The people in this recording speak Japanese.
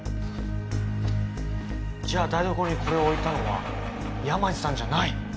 じゃあ台所にこれを置いたのは山路さんじゃない！